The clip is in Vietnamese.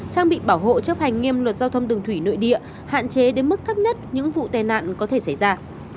trang bị bảo hộ chấp hành nghiêm luật giao thông đường thủy nội địa hạn chế đến mức thấp nhất những vụ tai nạn có thể xảy ra